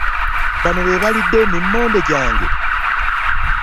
Bano be balidde emimmonde gyange!